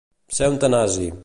Ser un tanasi.